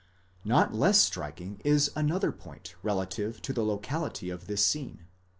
® Not less striking is another point relative to the locality of this scene.